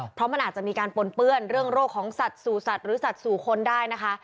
เพราะมันอาจจะมีการปนเปื้อนเรื่องโรคของสัตว์สู่สัตว์หรือสัตว์สู่คนได้นะคะ